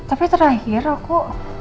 tapi terakhir aku